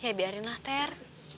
ya biarin lah ter